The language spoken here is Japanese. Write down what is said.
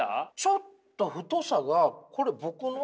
ちょっと太さがこれ僕の。